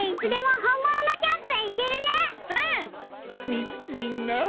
みみんな。